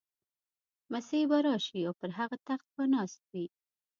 مسیح به راشي او پر هغه تخت به ناست وي.